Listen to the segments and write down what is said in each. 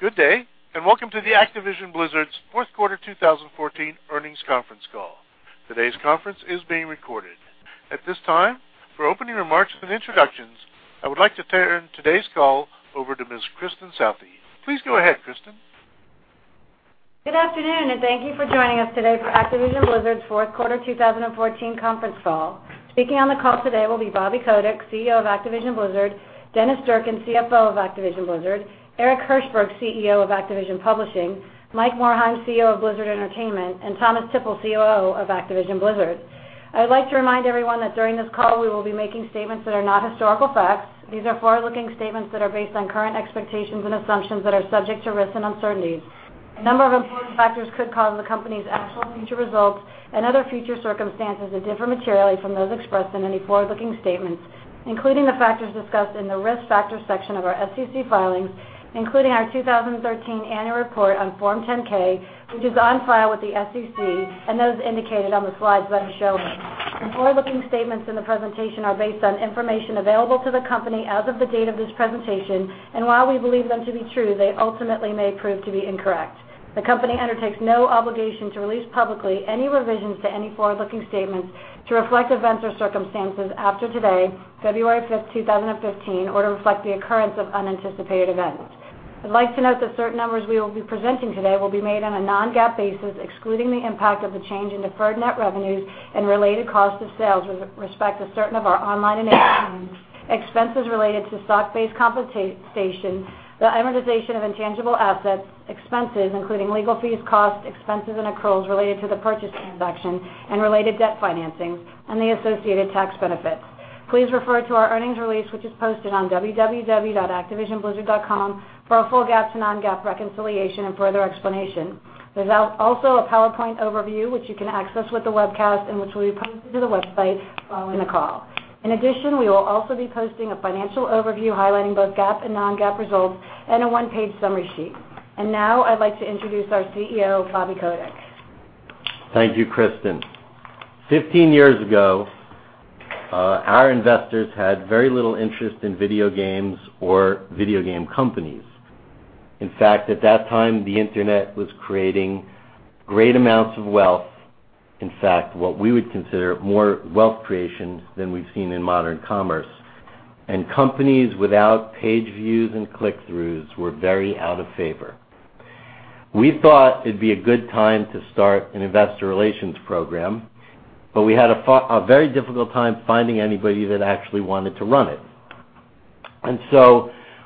Good day, welcome to the Activision Blizzard's fourth quarter 2014 earnings conference call. Today's conference is being recorded. At this time, for opening remarks and introductions, I would like to turn today's call over to Ms. Kristin Southey. Please go ahead, Kristin. Good afternoon, thank you for joining us today for Activision Blizzard's fourth quarter 2014 conference call. Speaking on the call today will be Bobby Kotick, CEO of Activision Blizzard, Dennis Durkin, CFO of Activision Blizzard, Eric Hirshberg, CEO of Activision Publishing, Mike Morhaime, CEO of Blizzard Entertainment, and Thomas Tippl, COO of Activision Blizzard. I would like to remind everyone that during this call, we will be making statements that are not historical facts. These are forward-looking statements that are based on current expectations and assumptions that are subject to risks and uncertainties. A number of important factors could cause the company's actual future results and other future circumstances that differ materially from those expressed in any forward-looking statements, including the factors discussed in the Risk Factors section of our SEC filings, including our 2013 annual report on Form 10-K, which is on file with the SEC, and those indicated on the slides that are shown here. The forward-looking statements in the presentation are based on information available to the company as of the date of this presentation, and while we believe them to be true, they ultimately may prove to be incorrect. The company undertakes no obligation to release publicly any revisions to any forward-looking statements to reflect events or circumstances after today, February 5th, 2015, or to reflect the occurrence of unanticipated events. I'd like to note that certain numbers we will be presenting today will be made on a non-GAAP basis, excluding the impact of the change in deferred net revenues and related cost of sales with respect to certain of our online initiatives, expenses related to stock-based compensation, the amortization of intangible assets, expenses including legal fees, costs, expenses, and accruals related to the purchase transaction and related debt financing, and the associated tax benefits. Please refer to our earnings release, which is posted on www.activisionblizzard.com for a full GAAP to non-GAAP reconciliation and further explanation. There's also a PowerPoint overview, which you can access with the webcast and which will be posted to the website following the call. In addition, we will also be posting a financial overview highlighting both GAAP and non-GAAP results and a one-page summary sheet. Now I'd like to introduce our CEO, Bobby Kotick. Thank you, Kristin. 15 years ago, our investors had very little interest in video games or video game companies. In fact, at that time, the internet was creating great amounts of wealth, in fact, what we would consider more wealth creation than we've seen in modern commerce. Companies without page views and click-throughs were very out of favor. We thought it'd be a good time to start an investor relations program, but we had a very difficult time finding anybody that actually wanted to run it.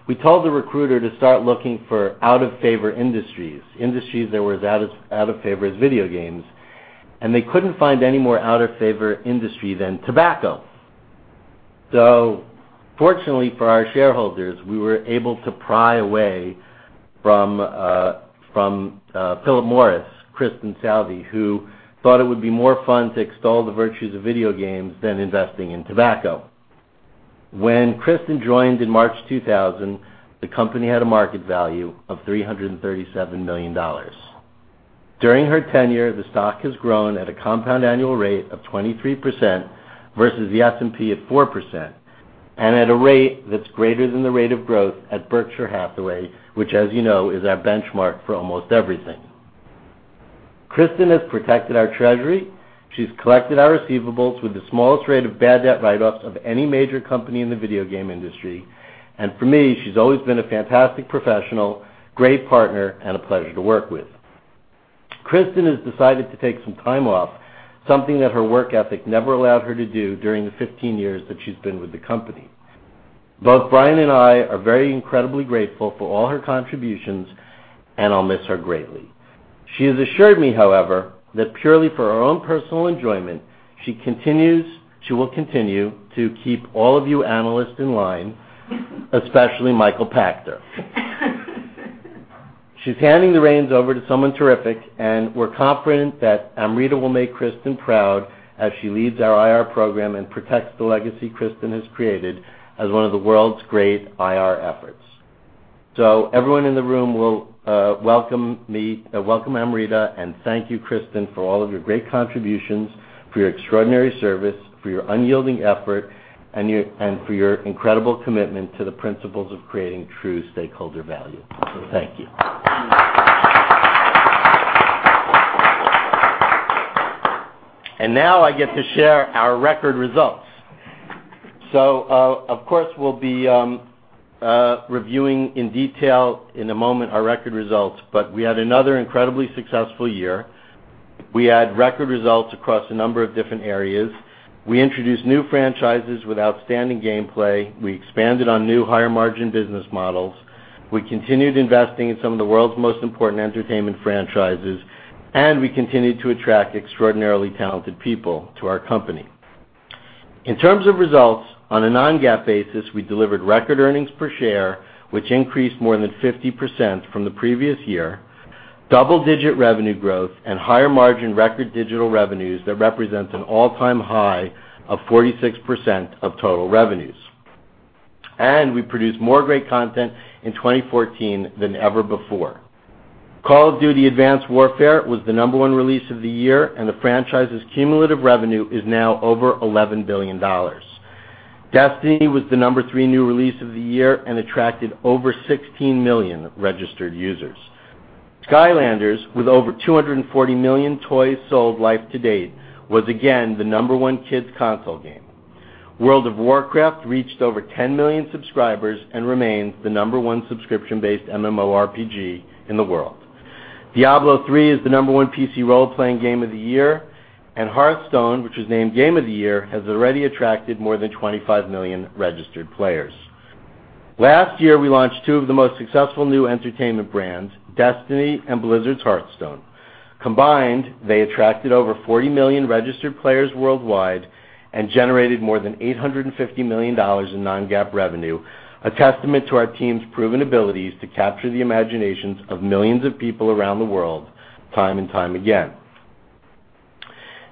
We told the recruiter to start looking for out-of-favor industries that were as out of favor as video games, and they couldn't find any more out-of-favor industry than tobacco. Fortunately for our shareholders, we were able to pry away from Philip Morris, Kristin Southey, who thought it would be more fun to extol the virtues of video games than investing in tobacco. When Kristin joined in March 2000, the company had a market value of $337 million. During her tenure, the stock has grown at a compound annual rate of 23% versus the S&P at 4%, and at a rate that's greater than the rate of growth at Berkshire Hathaway, which as you know, is our benchmark for almost everything. Kristin has protected our treasury. She's collected our receivables with the smallest rate of bad debt write-offs of any major company in the video game industry. For me, she's always been a fantastic professional, great partner, and a pleasure to work with. Kristin has decided to take some time off, something that her work ethic never allowed her to do during the 15 years that she's been with the company. Both Brian and I are very incredibly grateful for all her contributions, and I'll miss her greatly. She has assured me, however, that purely for her own personal enjoyment, she will continue to keep all of you analysts in line, especially Michael Pachter. She's handing the reins over to someone terrific, and we're confident that Amrita will make Kristin proud as she leads our IR program and protects the legacy Kristin has created as one of the world's great IR efforts. Everyone in the room will welcome Amrita and thank you, Kristin, for all of your great contributions, for your extraordinary service, for your unyielding effort, and for your incredible commitment to the principles of creating true stakeholder value. Thank you. Now I get to share our record results. Of course, we'll be reviewing in detail in a moment our record results, but we had another incredibly successful year. We had record results across a number of different areas. We introduced new franchises with outstanding gameplay. We expanded on new higher-margin business models. We continued investing in some of the world's most important entertainment franchises, and we continued to attract extraordinarily talented people to our company. In terms of results, on a non-GAAP basis, we delivered record earnings per share, which increased more than 50% from the previous year, double-digit revenue growth and higher margin record digital revenues that represent an all-time high of 46% of total revenues. We produced more great content in 2014 than ever before. Call of Duty: Advanced Warfare was the number one release of the year, and the franchise's cumulative revenue is now over $11 billion. Destiny was the number three new release of the year and attracted over 16 million registered users. Skylanders, with over 240 million toys sold life to date, was again the number one kids console game. World of Warcraft reached over 10 million subscribers and remains the number one subscription-based MMORPG in the world. Diablo III is the number one PC role-playing game of the year, and Hearthstone, which was named Game of the Year, has already attracted more than 25 million registered players. Last year, we launched two of the most successful new entertainment brands, Destiny and Blizzard's Hearthstone. Combined, they attracted over 40 million registered players worldwide and generated more than $850 million in non-GAAP revenue, a testament to our team's proven abilities to capture the imaginations of millions of people around the world time and time again.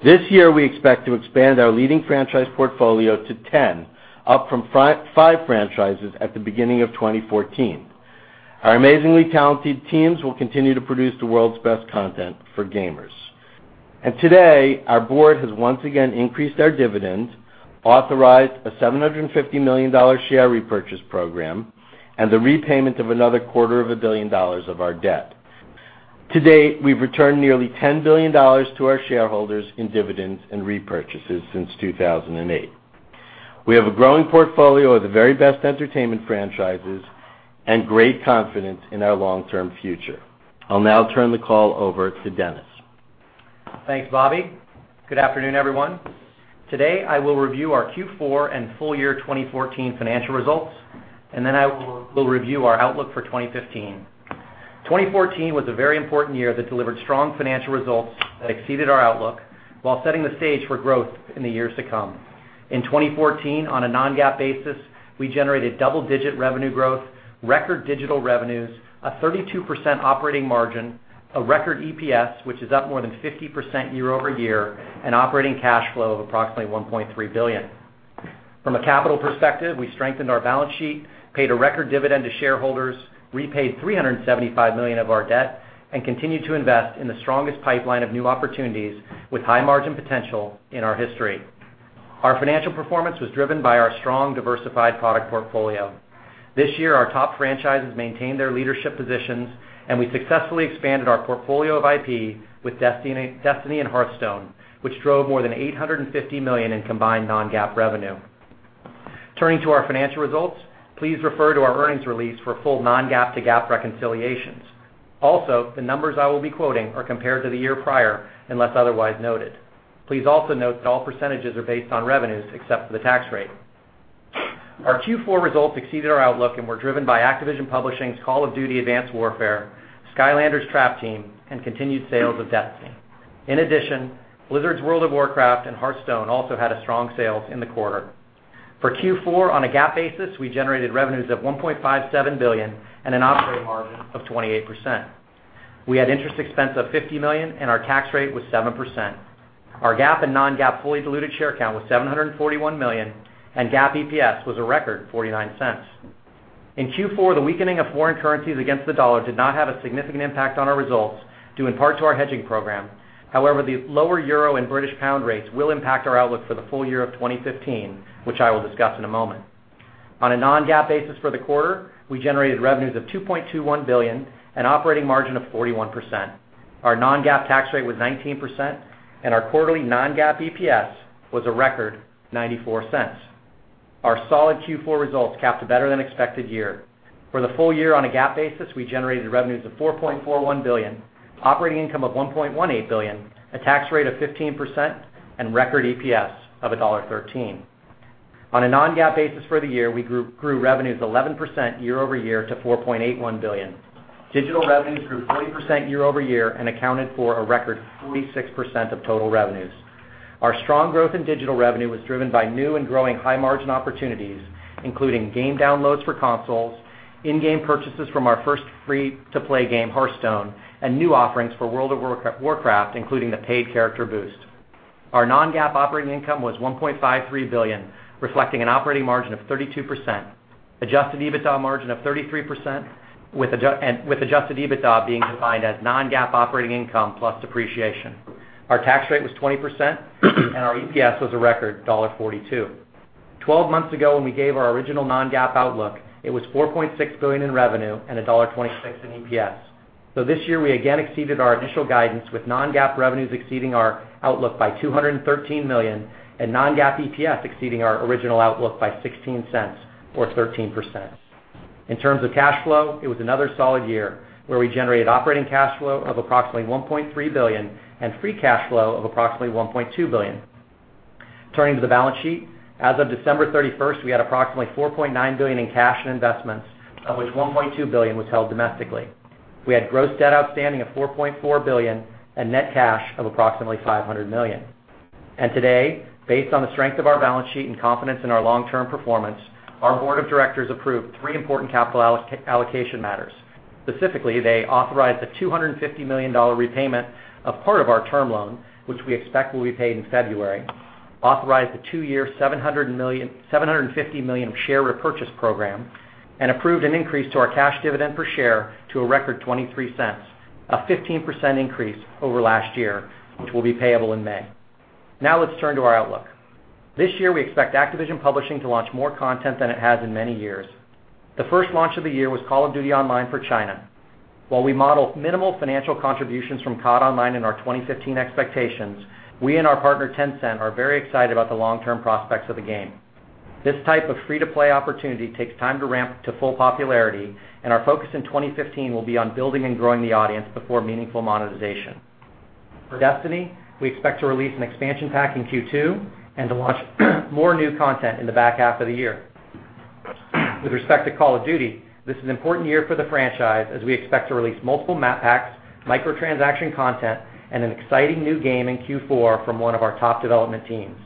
This year, we expect to expand our leading franchise portfolio to 10, up from five franchises at the beginning of 2014. Our amazingly talented teams will continue to produce the world's best content for gamers. Today, our board has once again increased our dividends, authorized a $750 million share repurchase program, and the repayment of another quarter of a billion dollars of our debt. To date, we've returned nearly $10 billion to our shareholders in dividends and repurchases since 2008. We have a growing portfolio of the very best entertainment franchises and great confidence in our long-term future. I'll now turn the call over to Dennis. Thanks, Bobby. Good afternoon, everyone. Today, I will review our Q4 and full year 2014 financial results. I will review our outlook for 2015. 2014 was a very important year that delivered strong financial results that exceeded our outlook while setting the stage for growth in the years to come. In 2014, on a non-GAAP basis, we generated double-digit revenue growth, record digital revenues, a 32% operating margin, a record EPS, which is up more than 50% year-over-year, and operating cash flow of approximately $1.3 billion. From a capital perspective, we strengthened our balance sheet, paid a record dividend to shareholders, repaid $375 million of our debt, and continued to invest in the strongest pipeline of new opportunities with high margin potential in our history. Our financial performance was driven by our strong, diversified product portfolio. This year, our top franchises maintained their leadership positions, and we successfully expanded our portfolio of IP with Destiny and Hearthstone, which drove more than $850 million in combined non-GAAP revenue. Turning to our financial results, please refer to our earnings release for full non-GAAP to GAAP reconciliations. Also, the numbers I will be quoting are compared to the year prior, unless otherwise noted. Please also note that all percentages are based on revenues except for the tax rate. Our Q4 results exceeded our outlook and were driven by Activision Publishing's Call of Duty: Advanced Warfare, Skylanders Trap Team, and continued sales of Destiny. In addition, Blizzard's World of Warcraft and Hearthstone also had strong sales in the quarter. For Q4, on a GAAP basis, we generated revenues of $1.57 billion and an operating margin of 28%. We had interest expense of $50 million, and our tax rate was 7%. Our GAAP and non-GAAP fully diluted share count was 741 million, and GAAP EPS was a record $0.49. In Q4, the weakening of foreign currencies against the dollar did not have a significant impact on our results, due in part to our hedging program. The lower euro and British pound rates will impact our outlook for the full year of 2015, which I will discuss in a moment. On a non-GAAP basis for the quarter, we generated revenues of $2.21 billion and operating margin of 41%. Our non-GAAP tax rate was 19%, and our quarterly non-GAAP EPS was a record $0.94. Our solid Q4 results capped a better-than-expected year. For the full year on a GAAP basis, we generated revenues of $4.41 billion, operating income of $1.18 billion, a tax rate of 15%, and record EPS of $1.13. On a non-GAAP basis for the year, we grew revenues 11% year-over-year to $4.81 billion. Digital revenues grew 40% year-over-year and accounted for a record 46% of total revenues. Our strong growth in digital revenue was driven by new and growing high-margin opportunities, including game downloads for consoles, in-game purchases from our first free-to-play game, Hearthstone, and new offerings for World of Warcraft, including the paid character boost. Our non-GAAP operating income was $1.53 billion, reflecting an operating margin of 32%, adjusted EBITDA margin of 33%, and with adjusted EBITDA being defined as non-GAAP operating income plus depreciation. Our tax rate was 20%, and our EPS was a record $1.42. 12 months ago, when we gave our original non-GAAP outlook, it was $4.6 billion in revenue and $1.26 in EPS. This year, we again exceeded our initial guidance, with non-GAAP revenues exceeding our outlook by $213 million and non-GAAP EPS exceeding our original outlook by $0.16 or 13%. In terms of cash flow, it was another solid year where we generated operating cash flow of approximately $1.3 billion and free cash flow of approximately $1.2 billion. Turning to the balance sheet, as of December 31st, we had approximately $4.9 billion in cash and investments, of which $1.2 billion was held domestically. We had gross debt outstanding of $4.4 billion and net cash of approximately $500 million. Today, based on the strength of our balance sheet and confidence in our long-term performance, our board of directors approved three important capital allocation matters. Specifically, they authorized a $250 million repayment of part of our term loan, which we expect will be paid in February, authorized a two-year $750 million share repurchase program. Approved an increase to our cash dividend per share to a record $0.23, a 15% increase over last year, which will be payable in May. Let's turn to our outlook. This year, we expect Activision Publishing to launch more content than it has in many years. The first launch of the year was Call of Duty: Online for China. While we model minimal financial contributions from COD: Online in our 2015 expectations, we and our partner, Tencent, are very excited about the long-term prospects of the game. This type of free-to-play opportunity takes time to ramp to full popularity, and our focus in 2015 will be on building and growing the audience before meaningful monetization. For "Destiny," we expect to release an expansion pack in Q2 and to launch more new content in the back half of the year. With respect to "Call of Duty," this is an important year for the franchise as we expect to release multiple map packs, microtransaction content, and an exciting new game in Q4 from one of our top development teams.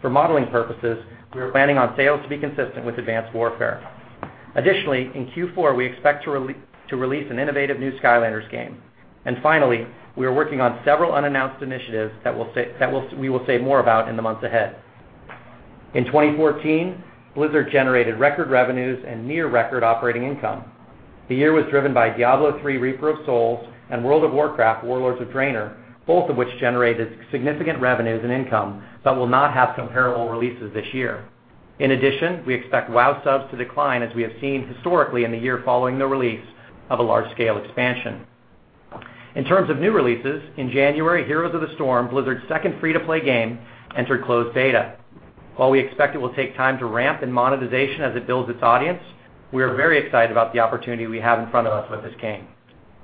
For modeling purposes, we are planning on sales to be consistent with "Advanced Warfare." Additionally, in Q4, we expect to release an innovative new "Skylanders" game. Finally, we are working on several unannounced initiatives that we will say more about in the months ahead. In 2014, Blizzard generated record revenues and near-record operating income. The year was driven by "Diablo III: Reaper of Souls" and "World of Warcraft: Warlords of Draenor," both of which generated significant revenues and income but will not have comparable releases this year. In addition, we expect "WoW" subs to decline, as we have seen historically in the year following the release of a large-scale expansion. In terms of new releases, in January, "Heroes of the Storm," Blizzard's second free-to-play game, entered closed beta. While we expect it will take time to ramp in monetization as it builds its audience, we are very excited about the opportunity we have in front of us with this game.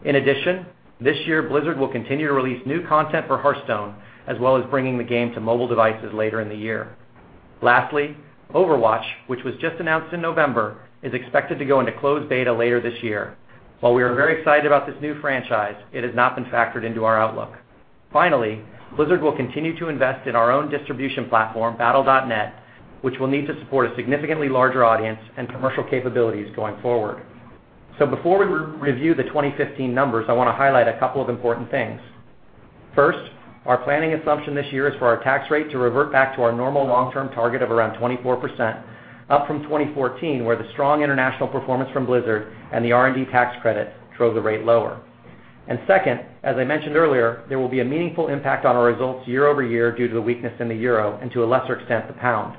In addition, this year, Blizzard will continue to release new content for "Hearthstone," as well as bringing the game to mobile devices later in the year. Lastly, "Overwatch," which was just announced in November, is expected to go into closed beta later this year. While we are very excited about this new franchise, it has not been factored into our outlook. Finally, Blizzard will continue to invest in our own distribution platform, Battle.net, which will need to support a significantly larger audience and commercial capabilities going forward. Before we review the 2015 numbers, I want to highlight a couple of important things. First, our planning assumption this year is for our tax rate to revert back to our normal long-term target of around 24%, up from 2014, where the strong international performance from Blizzard and the R&D tax credit drove the rate lower. Second, as I mentioned earlier, there will be a meaningful impact on our results year-over-year due to the weakness in the euro and, to a lesser extent, the pound.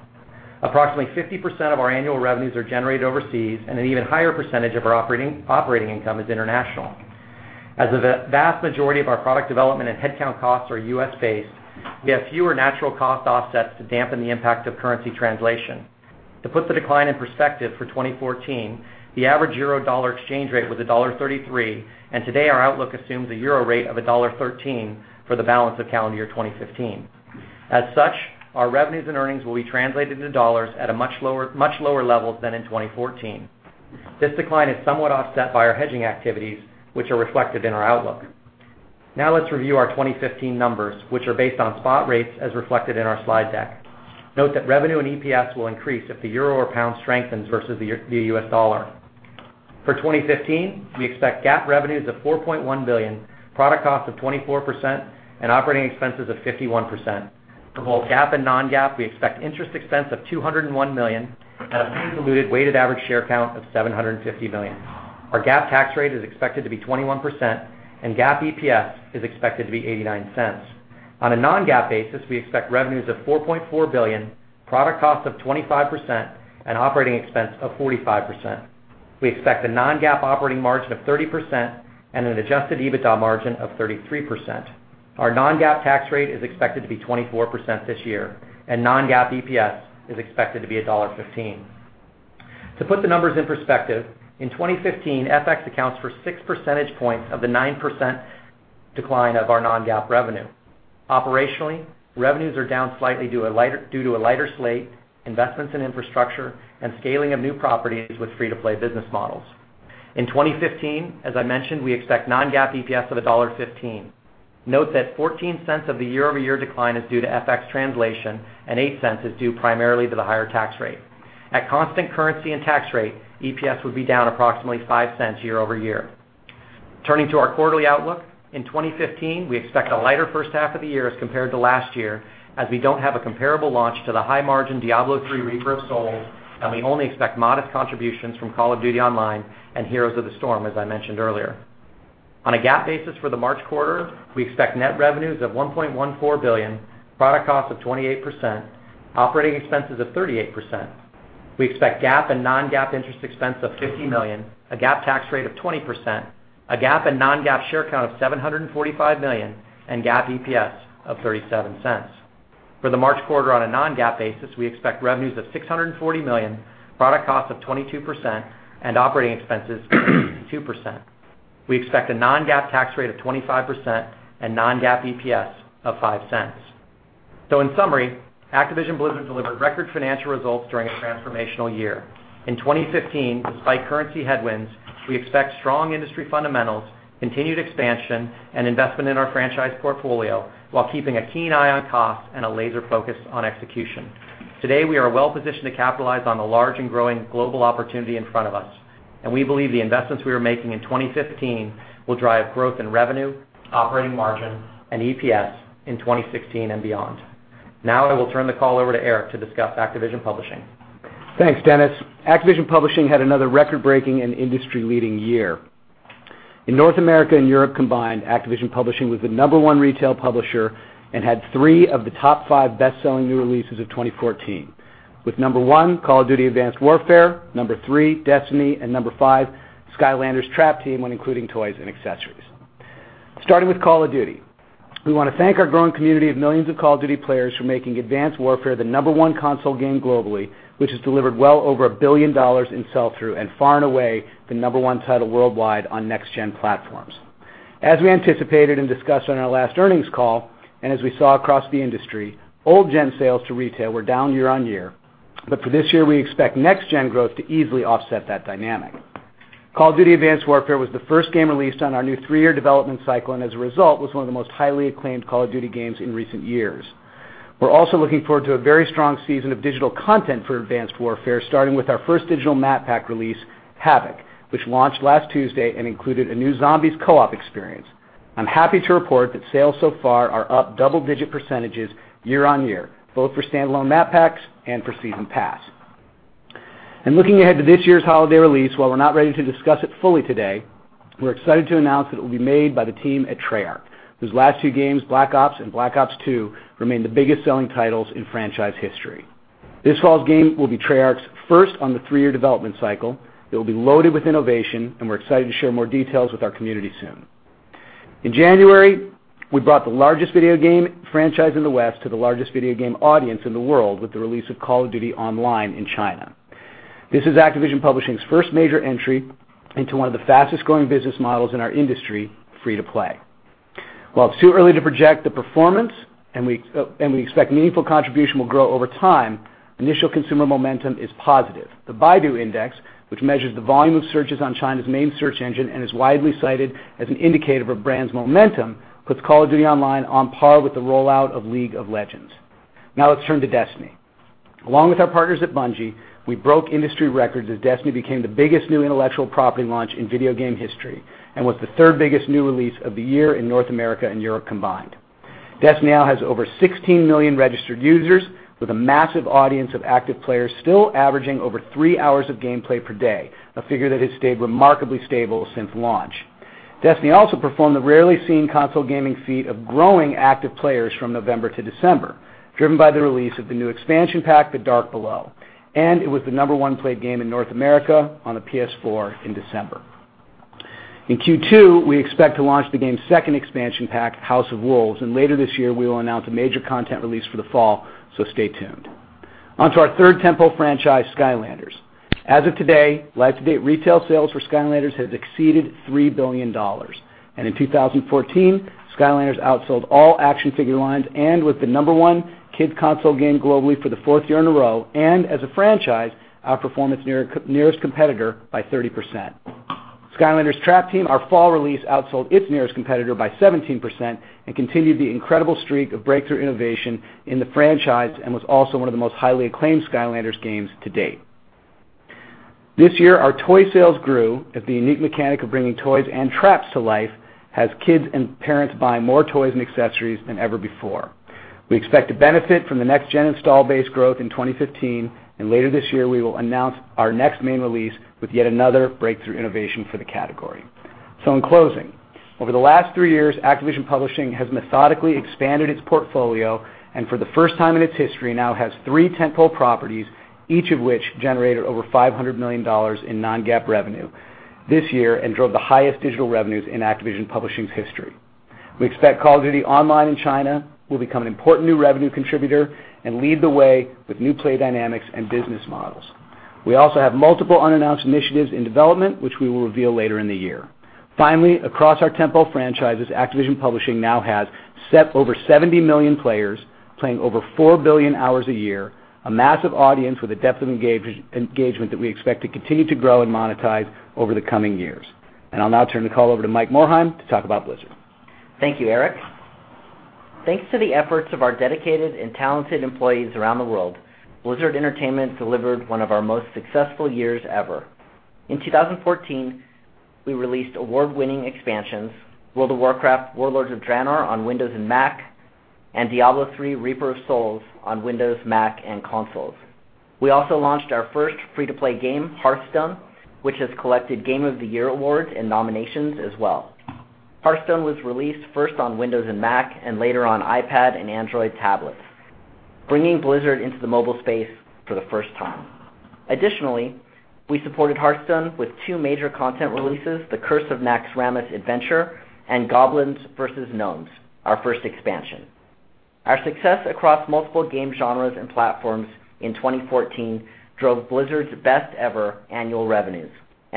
Approximately 50% of our annual revenues are generated overseas, and an even higher percentage of our operating income is international. As the vast majority of our product development and headcount costs are U.S.-based, we have fewer natural cost offsets to dampen the impact of currency translation. To put the decline in perspective for 2014, the average euro-dollar exchange rate was $1.33, and today, our outlook assumes a euro rate of $1.13 for the balance of calendar year 2015. As such, our revenues and earnings will be translated into dollars at a much lower level than in 2014. This decline is somewhat offset by our hedging activities, which are reflected in our outlook. Let's review our 2015 numbers, which are based on spot rates as reflected in our slide deck. Note that revenue and EPS will increase if the euro or pound strengthens versus the U.S. dollar. For 2015, we expect GAAP revenues of $4.1 billion, product cost of 24%, and operating expenses of 51%. For both GAAP and non-GAAP, we expect interest expense of $201 million and a fully diluted weighted average share count of 750 million. Our GAAP tax rate is expected to be 21%, and GAAP EPS is expected to be $0.89. On a non-GAAP basis, we expect revenues of $4.4 billion, product cost of 25%, and operating expense of 45%. We expect a non-GAAP operating margin of 30% and an adjusted EBITDA margin of 33%. Our non-GAAP tax rate is expected to be 24% this year, and non-GAAP EPS is expected to be $1.15. To put the numbers in perspective, in 2015, FX accounts for 6 percentage points of the 9% decline of our non-GAAP revenue. Operationally, revenues are down slightly due to a lighter slate, investments in infrastructure, and scaling of new properties with free-to-play business models. In 2015, as I mentioned, we expect non-GAAP EPS of $1.15. Note that $0.14 of the year-over-year decline is due to FX translation and $0.08 is due primarily to the higher tax rate. At constant currency and tax rate, EPS would be down approximately $0.05 year-over-year. Turning to our quarterly outlook, in 2015, we expect a lighter first half of the year as compared to last year, as we don't have a comparable launch to the high-margin Diablo III: Reaper of Souls, and we only expect modest contributions from Call of Duty: Online and Heroes of the Storm, as I mentioned earlier. On a GAAP basis for the March quarter, we expect net revenues of $1.14 billion, product cost of 28%, operating expenses of 38%. We expect GAAP and non-GAAP interest expense of $50 million, a GAAP tax rate of 20%, a GAAP and non-GAAP share count of 745 million, and GAAP EPS of $0.37. For the March quarter on a non-GAAP basis, we expect revenues of $640 million, product cost of 22%, and operating expenses of 52%. We expect a non-GAAP tax rate of 25% and non-GAAP EPS of $0.05. In summary, Activision Blizzard delivered record financial results during a transformational year. In 2015, despite currency headwinds, we expect strong industry fundamentals, continued expansion, and investment in our franchise portfolio while keeping a keen eye on cost and a laser focus on execution. Today, we are well-positioned to capitalize on the large and growing global opportunity in front of us, and we believe the investments we are making in 2015 will drive growth in revenue, operating margin, and EPS in 2016 and beyond. Now I will turn the call over to Eric to discuss Activision Publishing. Thanks, Dennis. Activision Publishing had another record-breaking and industry-leading year. In North America and Europe combined, Activision Publishing was the number one retail publisher and had three of the top five best-selling new releases of 2014, with number one, Call of Duty: Advanced Warfare, number three, Destiny, and number five, Skylanders Trap Team when including toys and accessories. Starting with Call of Duty, we want to thank our growing community of millions of Call of Duty players for making Advanced Warfare the number one console game globally, which has delivered well over $1 billion in sell-through and far and away the number one title worldwide on next-gen platforms. As we anticipated and discussed on our last earnings call, and as we saw across the industry, old-gen sales to retail were down year-on-year. For this year, we expect next-gen growth to easily offset that dynamic. Call of Duty: Advanced Warfare was the first game released on our new three-year development cycle, and as a result, was one of the most highly acclaimed Call of Duty games in recent years. We're also looking forward to a very strong season of digital content for Advanced Warfare, starting with our first digital map pack release, Havoc, which launched last Tuesday and included a new Zombies co-op experience. I'm happy to report that sales so far are up double-digit percentages year-on-year, both for standalone map packs and for Season Pass. Looking ahead to this year's holiday release, while we're not ready to discuss it fully today, we're excited to announce that it will be made by the team at Treyarch, whose last two games, Black Ops and Black Ops II, remain the biggest-selling titles in franchise history. This fall's game will be Treyarch's first on the three-year development cycle. It'll be loaded with innovation, and we're excited to share more details with our community soon. In January, we brought the largest video game franchise in the West to the largest video game audience in the world with the release of Call of Duty: Online in China. This is Activision Publishing's first major entry into one of the fastest-growing business models in our industry, free-to-play. While it's too early to project the performance, and we expect meaningful contribution will grow over time, initial consumer momentum is positive. The Baidu Index, which measures the volume of searches on China's main search engine and is widely cited as an indicator of a brand's momentum, puts Call of Duty: Online on par with the rollout of League of Legends. Let's turn to Destiny. Along with our partners at Bungie, we broke industry records as Destiny became the biggest new intellectual property launch in video game history and was the third biggest new release of the year in North America and Europe combined. Destiny now has over 16 million registered users with a massive audience of active players still averaging over three hours of gameplay per day, a figure that has stayed remarkably stable since launch. Destiny also performed the rarely seen console gaming feat of growing active players from November to December, driven by the release of the new expansion pack, The Dark Below, and it was the number one played game in North America on the PS4 in December. In Q2, we expect to launch the game's second expansion pack, House of Wolves, and later this year we will announce a major content release for the fall, so stay tuned. On to our third tentpole franchise, Skylanders. As of today, live-to-date retail sales for Skylanders has exceeded $3 billion. In 2014, Skylanders outsold all action figure lines and was the number one kids console game globally for the fourth year in a row. As a franchise, outperformed its nearest competitor by 30%. Skylanders Trap Team, our fall release, outsold its nearest competitor by 17% and continued the incredible streak of breakthrough innovation in the franchise and was also one of the most highly acclaimed Skylanders games to date. This year, our toy sales grew as the unique mechanic of bringing toys and traps to life has kids and parents buying more toys and accessories than ever before. We expect to benefit from the next-gen install base growth in 2015, later this year, we will announce our next main release with yet another breakthrough innovation for the category. In closing, over the last 3 years, Activision Publishing has methodically expanded its portfolio, for the first time in its history, now has 3 tentpole properties, each of which generated over $500 million in non-GAAP revenue this year and drove the highest digital revenues in Activision Publishing's history. We expect Call of Duty: Online in China will become an important new revenue contributor and lead the way with new play dynamics and business models. We also have multiple unannounced initiatives in development, which we will reveal later in the year. Finally, across our tentpole franchises, Activision Publishing now has over 70 million players playing over 4 billion hours a year, a massive audience with a depth of engagement that we expect to continue to grow and monetize over the coming years. I'll now turn the call over to Mike Morhaime to talk about Blizzard. Thank you, Eric. Thanks to the efforts of our dedicated and talented employees around the world, Blizzard Entertainment delivered one of our most successful years ever. In 2014, we released award-winning expansions, World of Warcraft: Warlords of Draenor on Windows and Mac, and Diablo III: Reaper of Souls on Windows, Mac, and consoles. We also launched our first free-to-play game, Hearthstone, which has collected Game of the Year awards and nominations as well. Hearthstone was released first on Windows and Mac and later on iPad and Android tablets, bringing Blizzard into the mobile space for the first time. Additionally, we supported Hearthstone with 2 major content releases, The Curse of Naxxramas Adventure and Goblins vs Gnomes, our first expansion. Our success across multiple game genres and platforms in 2014 drove Blizzard's best ever annual revenues,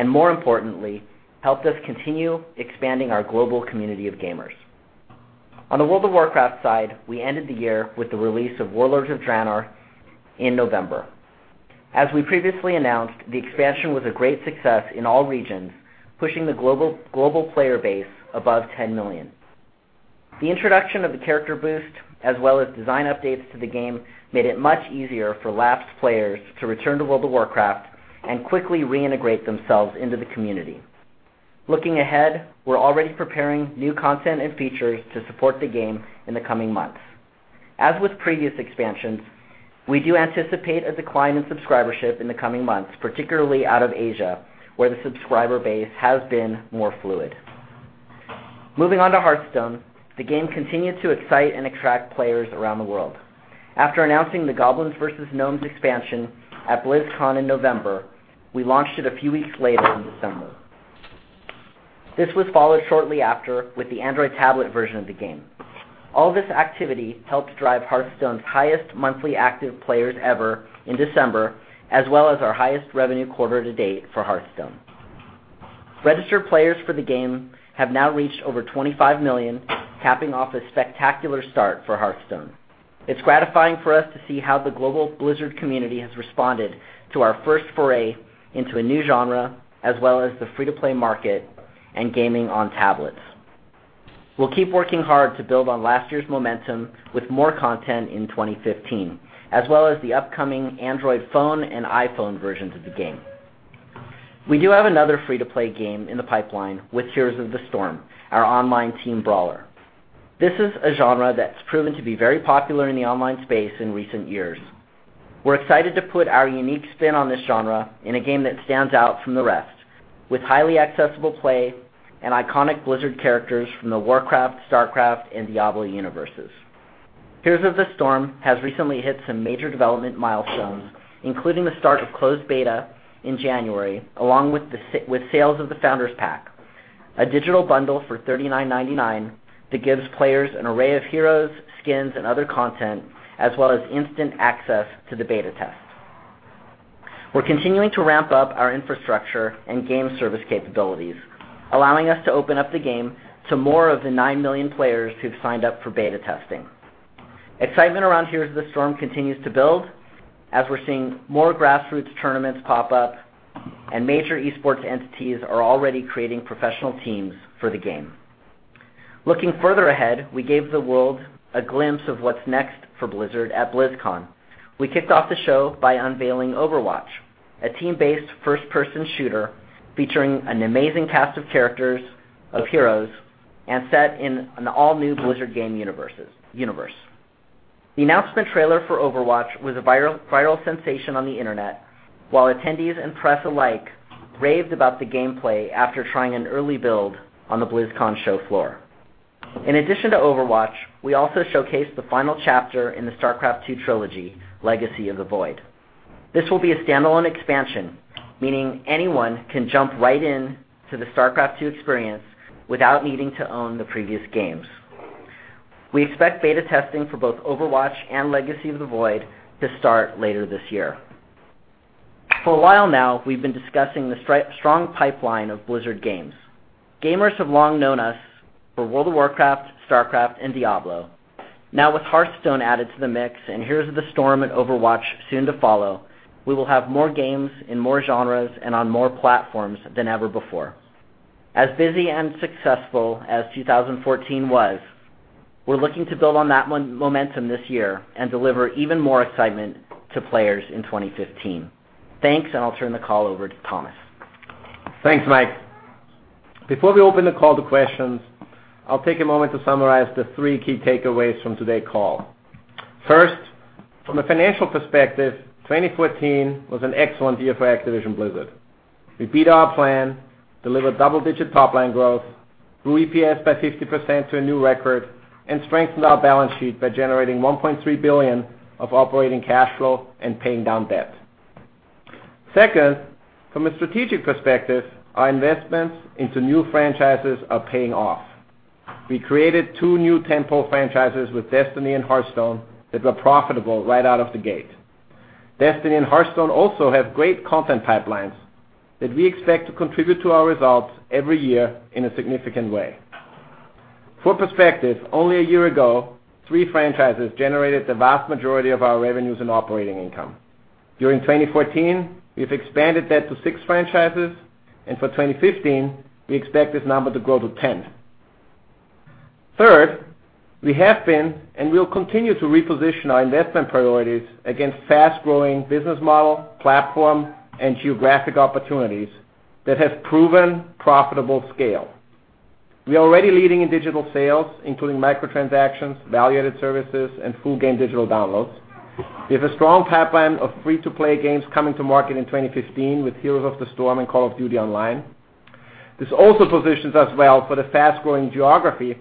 more importantly, helped us continue expanding our global community of gamers. On the World of Warcraft side, we ended the year with the release of Warlords of Draenor in November. As we previously announced, the expansion was a great success in all regions, pushing the global player base above 10 million. The introduction of the character boost, as well as design updates to the game, made it much easier for lapsed players to return to World of Warcraft and quickly reintegrate themselves into the community. Looking ahead, we're already preparing new content and features to support the game in the coming months. As with previous expansions, we do anticipate a decline in subscribership in the coming months, particularly out of Asia, where the subscriber base has been more fluid. Moving on to Hearthstone, the game continued to excite and attract players around the world. After announcing the Goblins vs Gnomes expansion at BlizzCon in November, we launched it a few weeks later in December. This was followed shortly after with the Android tablet version of the game. All this activity helped drive Hearthstone's highest monthly active players ever in December, as well as our highest revenue quarter to date for Hearthstone. Registered players for the game have now reached over 25 million, capping off a spectacular start for Hearthstone. It's gratifying for us to see how the global Blizzard community has responded to our first foray into a new genre, as well as the free-to-play market and gaming on tablets. We'll keep working hard to build on last year's momentum with more content in 2015, as well as the upcoming Android phone and iPhone versions of the game. We do have another free-to-play game in the pipeline with Heroes of the Storm, our online team brawler. This is a genre that's proven to be very popular in the online space in recent years. We're excited to put our unique spin on this genre in a game that stands out from the rest, with highly accessible play and iconic Blizzard characters from the Warcraft, StarCraft, and Diablo universes. Heroes of the Storm has recently hit some major development milestones, including the start of closed beta in January, along with sales of the Founder's Pack, a digital bundle for $39.99 that gives players an array of heroes, skins, and other content, as well as instant access to the beta test. We're continuing to ramp up our infrastructure and game service capabilities, allowing us to open up the game to more of the nine million players who've signed up for beta testing. Excitement around Heroes of the Storm continues to build as we're seeing more grassroots tournaments pop up and major esports entities are already creating professional teams for the game. Looking further ahead, we gave the world a glimpse of what's next for Blizzard at BlizzCon. We kicked off the show by unveiling Overwatch, a team-based first-person shooter featuring an amazing cast of characters, of heroes, and set in an all-new Blizzard game universe. The announcement trailer for Overwatch was a viral sensation on the Internet, while attendees and press alike raved about the gameplay after trying an early build on the BlizzCon show floor. In addition to Overwatch, we also showcased the final chapter in the StarCraft II trilogy, Legacy of the Void. This will be a standalone expansion, meaning anyone can jump right into the StarCraft II experience without needing to own the previous games. We expect beta testing for both Overwatch and Legacy of the Void to start later this year. For a while now, we've been discussing the strong pipeline of Blizzard games. Gamers have long known us for World of Warcraft, StarCraft, and Diablo. Now with Hearthstone added to the mix, and Heroes of the Storm and Overwatch soon to follow, we will have more games in more genres and on more platforms than ever before. As busy and successful as 2014 was, we're looking to build on that momentum this year and deliver even more excitement to players in 2015. Thanks, and I'll turn the call over to Thomas. Thanks, Mike. Before we open the call to questions, I'll take a moment to summarize the three key takeaways from today's call. First, from a financial perspective, 2014 was an excellent year for Activision Blizzard. We beat our plan, delivered double-digit top-line growth, grew EPS by 50% to a new record, and strengthened our balance sheet by generating $1.3 billion of operating cash flow and paying down debt. Second, from a strategic perspective, our investments into new franchises are paying off. We created two new tentpole franchises with Destiny and Hearthstone that were profitable right out of the gate. Destiny and Hearthstone also have great content pipelines that we expect to contribute to our results every year in a significant way. For perspective, only a year ago, three franchises generated the vast majority of our revenues and operating income. During 2014, we've expanded that to six franchises, and for 2015, we expect this number to grow to 10. Third, we have been, and will continue to reposition our investment priorities against fast-growing business model, platform, and geographic opportunities that have proven profitable scale. We are already leading in digital sales, including microtransactions, value-added services, and full game digital downloads. We have a strong pipeline of free-to-play games coming to market in 2015 with Heroes of the Storm and Call of Duty: Online. This also positions us well for the fast-growing geography,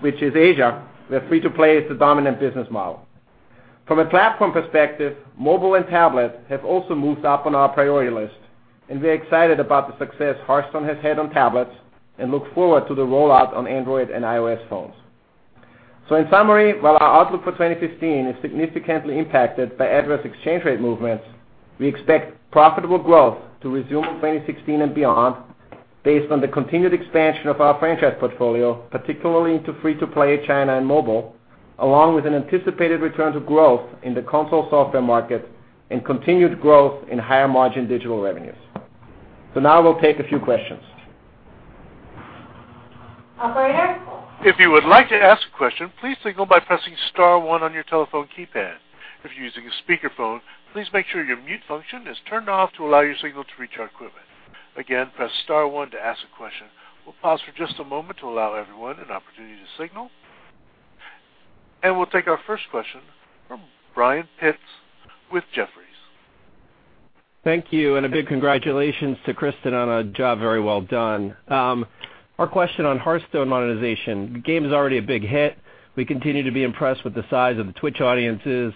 which is Asia, where free-to-play is the dominant business model. From a platform perspective, mobile and tablet have also moved up on our priority list, and we're excited about the success Hearthstone has had on tablets and look forward to the rollout on Android and iOS phones. In summary, while our outlook for 2015 is significantly impacted by adverse exchange rate movements, we expect profitable growth to resume in 2016 and beyond based on the continued expansion of our franchise portfolio, particularly into free-to-play China and mobile, along with an anticipated return to growth in the console software market and continued growth in higher margin digital revenues. Now we'll take a few questions. Operator? If you would like to ask a question, please signal by pressing star one on your telephone keypad. If you're using a speakerphone, please make sure your mute function is turned off to allow your signal to reach our equipment. Again, press star one to ask a question. We'll pause for just a moment to allow everyone an opportunity to signal. We'll take our first question from Brian Pitz with Jefferies. Thank you, a big congratulations to Kristin on a job very well done. Our question on Hearthstone monetization. The game is already a big hit. We continue to be impressed with the size of the Twitch audiences,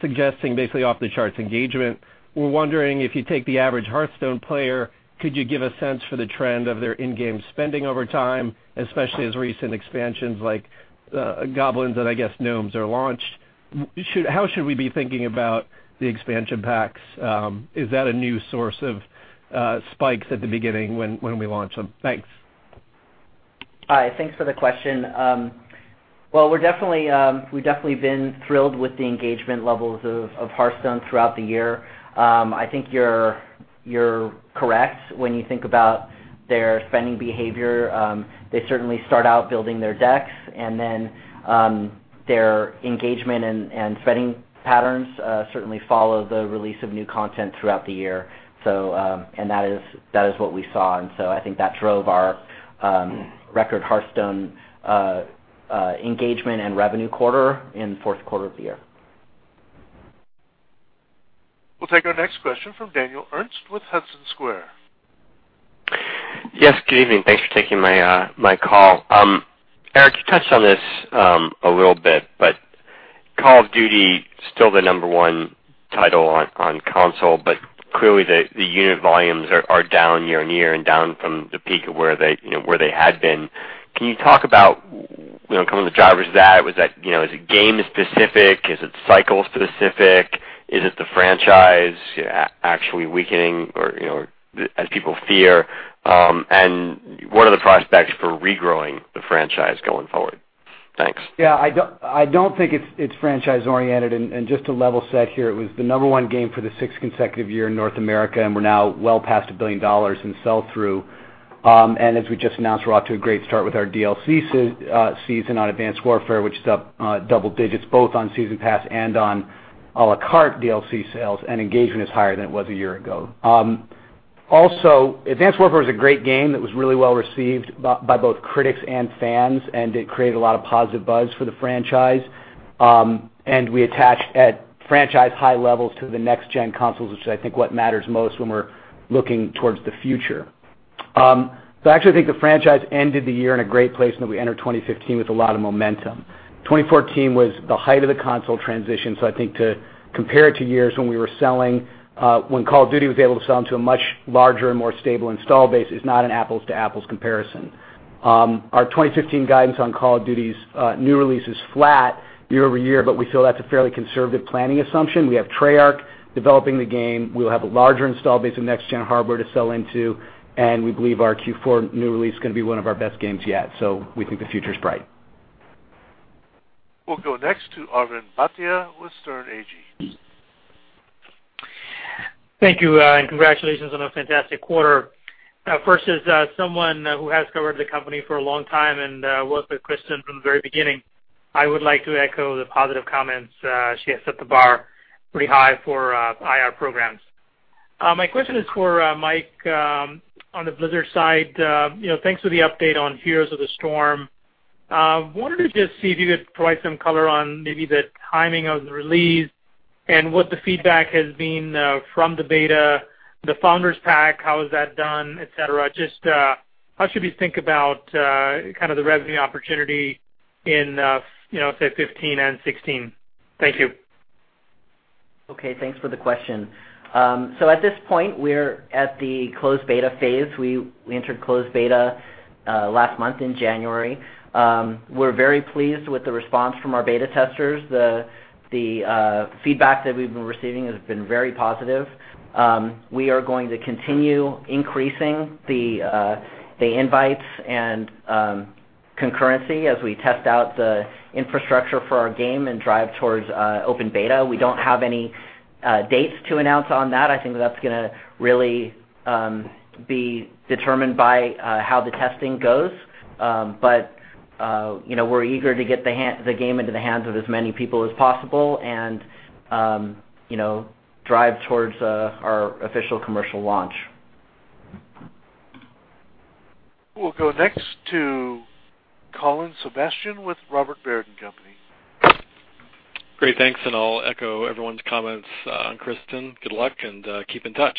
suggesting basically off-the-charts engagement. We're wondering, if you take the average Hearthstone player, could you give a sense for the trend of their in-game spending over time, especially as recent expansions like Goblins and, I guess, Gnomes are launched? How should we be thinking about the expansion packs? Is that a new source of spikes at the beginning when we launch them? Thanks. Hi, thanks for the question. Well, we've definitely been thrilled with the engagement levels of Hearthstone throughout the year. I think you're correct when you think about their spending behavior. They certainly start out building their decks, then their engagement and spending patterns certainly follow the release of new content throughout the year. That is what we saw. So I think that drove our record Hearthstone engagement and revenue quarter in the fourth quarter of the year. We'll take our next question from Daniel Ernst with Hudson Square. Yes, good evening. Thanks for taking my call. Eric, you touched on this a little bit, Call of Duty still the number 1 title on console, clearly, the unit volumes are down year-on-year and down from the peak of where they had been. Can you talk about some of the drivers of that? Is it game specific? Is it cycle specific? Is it the franchise actually weakening as people fear? What are the prospects for regrowing the franchise going forward? Thanks. Yeah, I don't think it's franchise-oriented. Just to level set here, it was the number one game for the sixth consecutive year in North America, and we're now well past $1 billion in sell-through. As we just announced, we're off to a great start with our DLC season on Advanced Warfare, which is up double digits both on Season Pass and on à la carte DLC sales, and engagement is higher than it was a year ago. Also, Advanced Warfare is a great game that was really well received by both critics and fans, and it created a lot of positive buzz for the franchise. We attached at franchise high levels to the next-gen consoles, which is, I think, what matters most when we're looking towards the future. I actually think the franchise ended the year in a great place, and that we enter 2015 with a lot of momentum. 2014 was the height of the console transition, I think to compare it to years when Call of Duty was able to sell into a much larger and more stable install base is not an apples-to-apples comparison. Our 2015 guidance on Call of Duty's new release is flat year-over-year, we feel that's a fairly conservative planning assumption. We have Treyarch developing the game. We'll have a larger install base of next-gen hardware to sell into, and we believe our Q4 new release is going to be one of our best games yet. We think the future's bright. We'll go next to Arvind Bhatia with Sterne Agee. Thank you. Congratulations on a fantastic quarter. First, as someone who has covered the company for a long time and worked with Kristin from the very beginning, I would like to echo the positive comments. She has set the bar pretty high for IR programs. My question is for Mike on the Blizzard side. Thanks for the update on Heroes of the Storm. Wanted to just see if you could provide some color on maybe the timing of the release and what the feedback has been from the beta, the Founder's Pack, how has that done, et cetera. Just how should we think about the revenue opportunity in, say, 2015 and 2016? Thank you. Okay, thanks for the question. At this point, we're at the closed beta phase. We entered closed beta last month in January. We're very pleased with the response from our beta testers. The feedback that we've been receiving has been very positive. We are going to continue increasing the invites and concurrency as we test out the infrastructure for our game and drive towards open beta. We don't have any dates to announce on that. I think that's going to really be determined by how the testing goes. We're eager to get the game into the hands of as many people as possible and drive towards our official commercial launch. We'll go next to Colin Sebastian with Robert W. Baird & Co. Great. Thanks. I'll echo everyone's comments on Kristin. Good luck. Keep in touch.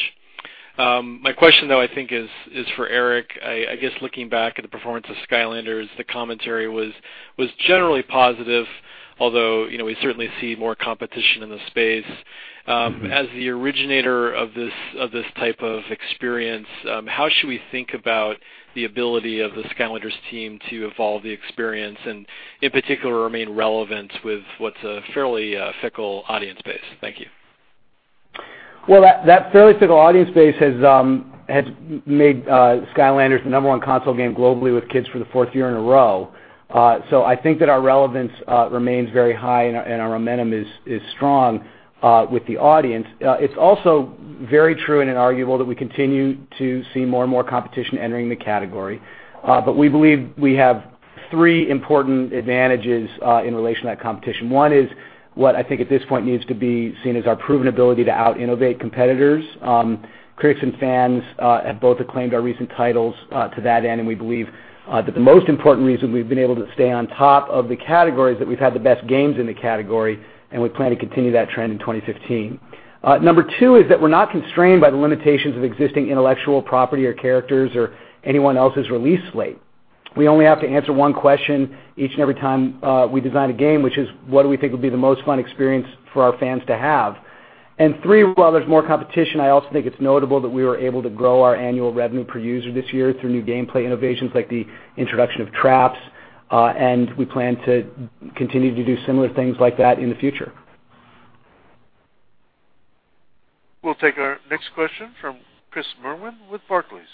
My question, though, is for Eric. Looking back at the performance of Skylanders, the commentary was generally positive, although we certainly see more competition in the space. As the originator of this type of experience, how should we think about the ability of the Skylanders team to evolve the experience and, in particular, remain relevant with what's a fairly fickle audience base? Thank you. That fairly fickle audience base has made Skylanders the number one console game globally with kids for the fourth year in a row. Our relevance remains very high, and our momentum is strong with the audience. It's also very true and arguable that we continue to see more and more competition entering the category. We believe we have three important advantages in relation to that competition. One is what at this point needs to be seen as our proven ability to out-innovate competitors. Critics and fans have both acclaimed our recent titles to that end. We believe that the most important reason we've been able to stay on top of the category is that we've had the best games in the category, and we plan to continue that trend in 2015. Number 2 is that we're not constrained by the limitations of existing intellectual property or characters or anyone else's release slate. We only have to answer one question each and every time we design a game, which is, what do we think would be the most fun experience for our fans to have? 3, while there's more competition, I also think it's notable that we were able to grow our annual revenue per user this year through new gameplay innovations like the introduction of traps, and we plan to continue to do similar things like that in the future. We'll take our next question from Chris Merwin with Barclays.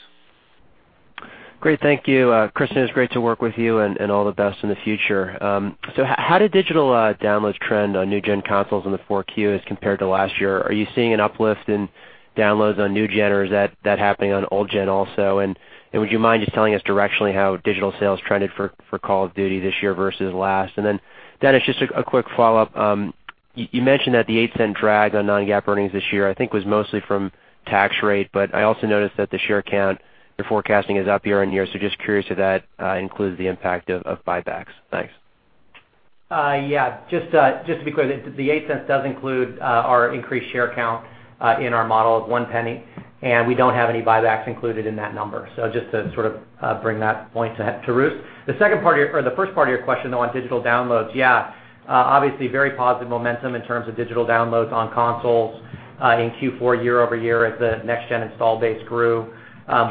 Great. Thank you. Kristin, it's great to work with you, and all the best in the future. How did digital downloads trend on new-gen consoles in the 4Q as compared to last year? Are you seeing an uplift in downloads on new-gen, or is that happening on old-gen also? Would you mind just telling us directionally how digital sales trended for Call of Duty this year versus last? Dennis, just a quick follow-up. You mentioned that the $0.08 drag on non-GAAP earnings this year, I think, was mostly from tax rate, but I also noticed that the share count you're forecasting is up year-over-year. Just curious if that includes the impact of buybacks. Thanks. Just to be clear, the $0.08 does include our increased share count in our model of $0.01, we don't have any buybacks included in that number. Just to sort of bring that point to root. The first part of your question, though, on digital downloads. Obviously, very positive momentum in terms of digital downloads on consoles in Q4 year-over-year as the next-gen install base grew.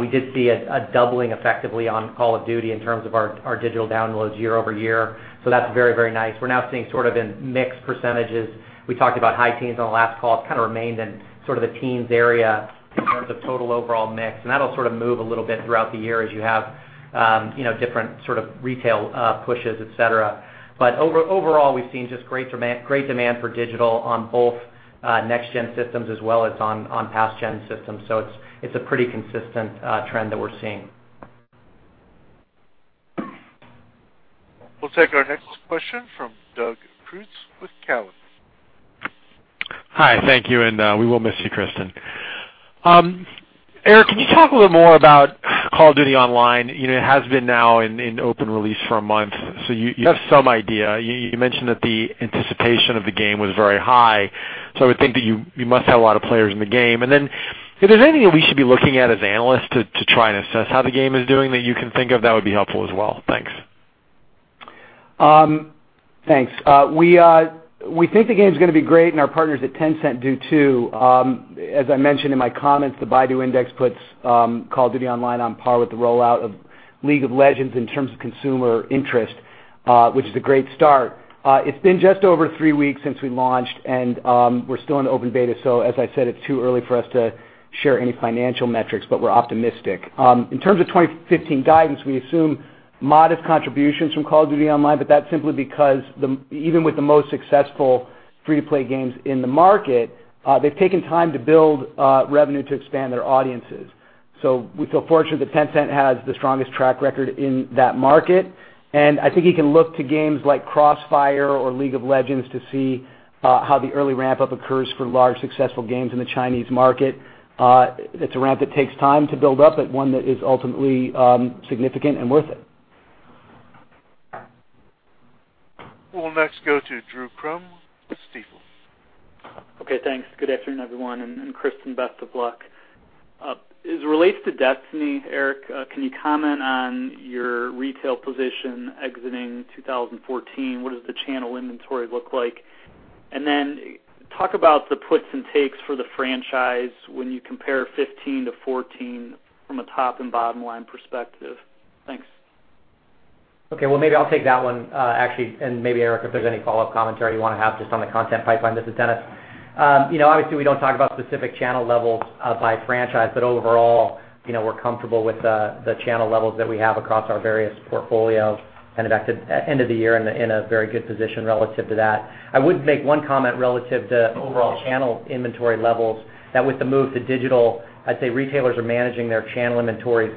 We did see a doubling effectively on Call of Duty in terms of our digital downloads year-over-year. That's very nice. We're now seeing sort of in mixed percentages. We talked about high teens on the last call. It's kind of remained in sort of the teens area in terms of total overall mix, and that'll sort of move a little bit throughout the year as you have different sort of retail pushes, et cetera. Overall, we've seen just great demand for digital on both next-gen systems as well as on past-gen systems. It's a pretty consistent trend that we're seeing. We'll take our next question from Doug Creutz with Cowen. Hi. Thank you, and we will miss you, Kristin. Eric, can you talk a little more about Call of Duty: Online. It has been now in open release for a month, so you have some idea. You mentioned that the anticipation of the game was very high, so I would think that you must have a lot of players in the game. If there's anything that we should be looking at as analysts to try and assess how the game is doing that you can think of, that would be helpful as well. Thanks. Thanks. We think the game's going to be great, and our partners at Tencent do, too. As I mentioned in my comments, the Baidu Index puts Call of Duty: Online on par with the rollout of League of Legends in terms of consumer interest, which is a great start. It's been just over three weeks since we launched, and we're still in open beta. As I said, it's too early for us to share any financial metrics, but we're optimistic. In terms of 2015 guidance, we assume modest contributions from Call of Duty: Online, but that's simply because even with the most successful free-to-play games in the market, they've taken time to build revenue to expand their audiences. We feel fortunate that Tencent has the strongest track record in that market, and I think you can look to games like CrossFire or League of Legends to see how the early ramp-up occurs for large successful games in the Chinese market. It's a ramp that takes time to build up, but one that is ultimately significant and worth it. We'll next go to Drew Crum, Stifel. Okay, thanks. Good afternoon, everyone. Kristin, best of luck. As it relates to Destiny, Eric, can you comment on your retail position exiting 2014? What does the channel inventory look like? Then talk about the puts and takes for the franchise when you compare 2015 to 2014 from a top and bottom-line perspective. Thanks. Okay. Maybe I'll take that one, actually, and maybe Eric, if there's any follow-up commentary you want to have just on the content pipeline. This is Dennis. Obviously, we don't talk about specific channel levels by franchise, but overall we're comfortable with the channel levels that we have across our various portfolios and at end of the year in a very good position relative to that. I would make one comment relative to overall channel inventory levels, that with the move to digital, I'd say retailers are managing their channel inventories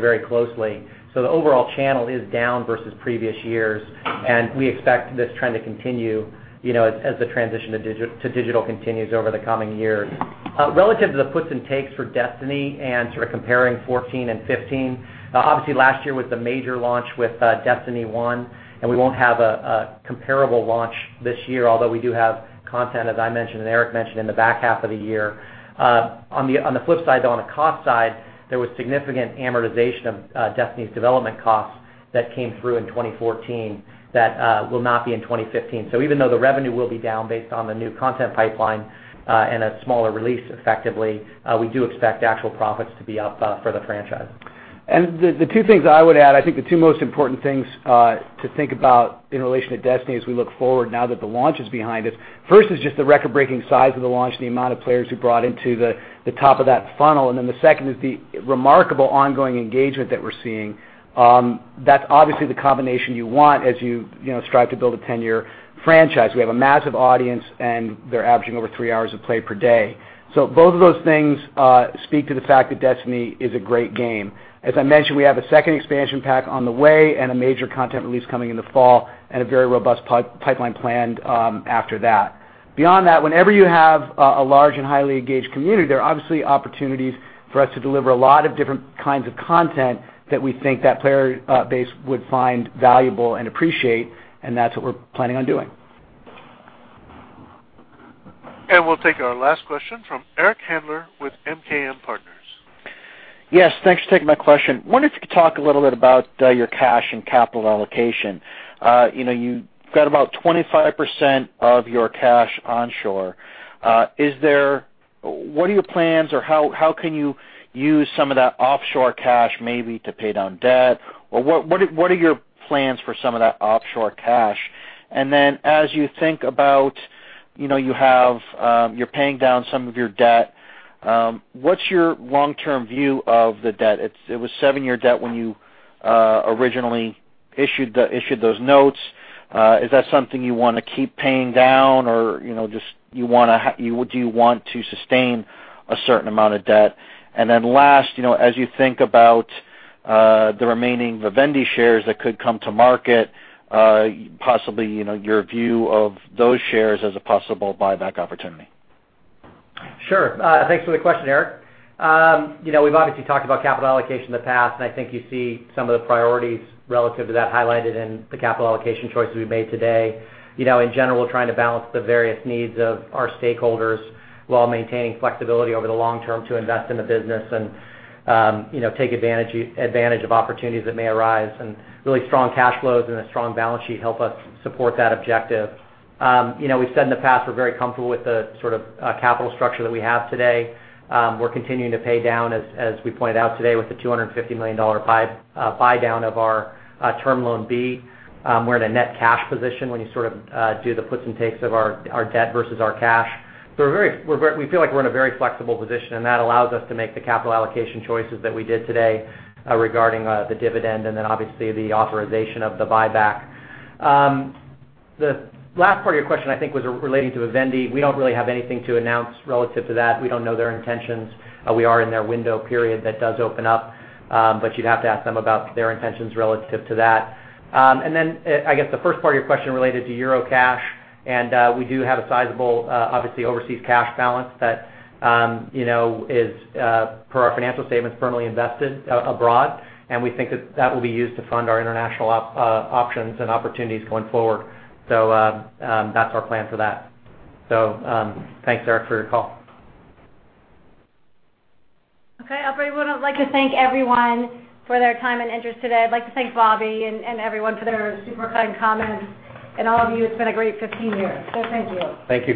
very closely. The overall channel is down versus previous years, and we expect this trend to continue as the transition to digital continues over the coming years. Relative to the puts and takes for Destiny and sort of comparing 2014 and 2015, obviously last year was the major launch with Destiny 1, and we won't have a comparable launch this year, although we do have content, as I mentioned and Eric mentioned, in the back half of the year. On the flip side, though, on the cost side, there was significant amortization of Destiny's development costs that came through in 2014 that will not be in 2015. Even though the revenue will be down based on the new content pipeline and a smaller release, effectively, we do expect actual profits to be up for the franchise. The two things I would add, I think the two most important things to think about in relation to Destiny as we look forward now that the launch is behind us. First is just the record-breaking size of the launch and the amount of players who brought into the top of that funnel, and then the second is the remarkable ongoing engagement that we're seeing. That's obviously the combination you want as you strive to build a 10-year franchise. We have a massive audience, and they're averaging over three hours of play per day. Both of those things speak to the fact that Destiny is a great game. As I mentioned, we have a second expansion pack on the way and a major content release coming in the fall and a very robust pipeline planned after that. Beyond that, whenever you have a large and highly engaged community, there are obviously opportunities for us to deliver a lot of different kinds of content that we think that player base would find valuable and appreciate, and that's what we're planning on doing. We'll take our last question from Eric Handler with MKM Partners. Yes, thanks for taking my question. Wondering if you could talk a little bit about your cash and capital allocation. You've got about 25% of your cash onshore. What are your plans or how can you use some of that offshore cash maybe to pay down debt? What are your plans for some of that offshore cash? As you think about you're paying down some of your debt, what's your long-term view of the debt? It was seven-year debt when you originally issued those notes. Is that something you want to keep paying down or do you want to sustain a certain amount of debt? Last, as you think about the remaining Vivendi shares that could come to market, possibly your view of those shares as a possible buyback opportunity. Sure. Thanks for the question, Eric. We've obviously talked about capital allocation in the past, and I think you see some of the priorities relative to that highlighted in the capital allocation choices we made today. In general, trying to balance the various needs of our stakeholders while maintaining flexibility over the long term to invest in the business and take advantage of opportunities that may arise, and really strong cash flows and a strong balance sheet help us support that objective. We've said in the past, we're very comfortable with the capital structure that we have today. We're continuing to pay down, as we pointed out today, with the $250 million buy down of our term loan B. We're in a net cash position when you do the puts and takes of our debt versus our cash. We feel like we're in a very flexible position, and that allows us to make the capital allocation choices that we did today regarding the dividend and then obviously the authorization of the buyback. The last part of your question, I think, was relating to Vivendi. We don't really have anything to announce relative to that. We don't know their intentions. We are in their window period that does open up, but you'd have to ask them about their intentions relative to that. I guess the first part of your question related to EUR cash, and we do have a sizable obviously overseas cash balance that is per our financial statements firmly invested abroad, and we think that will be used to fund our international options and opportunities going forward. That's our plan for that. Thanks, Eric, for your call. Okay, everybody. I would like to thank everyone for their time and interest today. I'd like to thank Bobby and everyone for their super kind comments, and all of you. It's been a great 15 years. Thank you. Thank you.